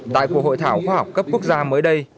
tại cuộc hội thảo khoa học cấp quốc gia mới đây